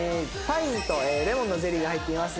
パインとレモンのゼリーが入っています。